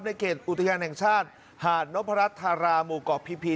ในเกณฑ์อุตยนต์แห่งชาติหาดนพรัชทารามูกอกพีพี